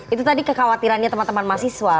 itu tadi kekhawatirannya teman teman mahasiswa